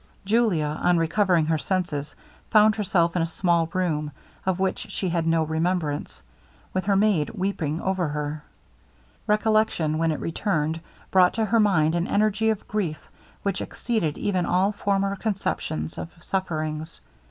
Julia, on recovering her senses, found herself in a small room, of which she had no remembrance, with her maid weeping over her. Recollection, when it returned, brought to her mind an energy of grief, which exceeded even all former conceptions of sufferings.